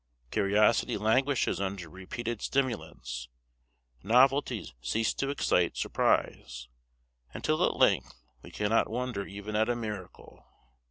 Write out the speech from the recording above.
Curiosity languishes under repeated stimulants, novelties cease to excite surprise, until at length we cannot wonder even at a miracle.